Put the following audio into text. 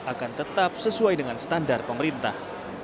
akan tetap sesuai dengan standar pemerintah